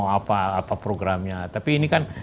apa apa programnya tapi ini kan